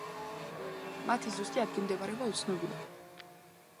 მათი ზუსტი ადგილმდებარეობა უცნობია.